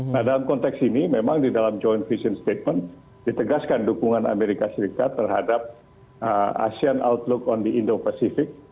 nah dalam konteks ini memang di dalam joint vision statement ditegaskan dukungan amerika serikat terhadap asean outlook on the indo pacific